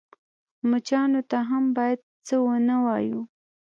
_مچانو ته هم بايد څه ونه وايو.